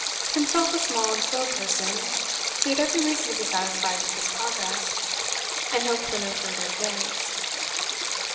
Himself a small and slow person, he had every reason to be satisfied with this progress, and hoped for no further advance.